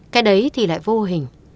cái đấy thì lại vô hình